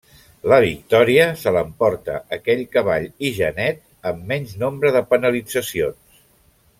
La victòria se l'emporta aquell cavall i genet amb menys nombre de penalitzacions.